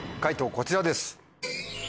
こちらです。